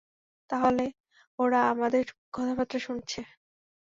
তাহলে ওরা আমাদের কথাবার্তা শুনছে।